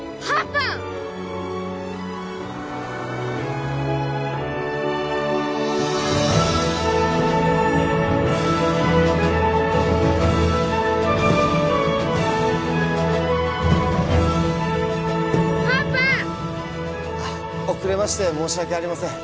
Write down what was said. パパあっ遅れまして申し訳ありません